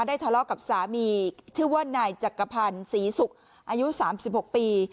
ได้ทะเลาะกับสามีชื่อว่านายจักรพรศรีศุกร์อายุสามสิบหกปี